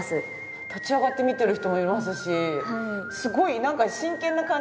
立ち上がって見ている人もいますしすごいなんか真剣な感じ。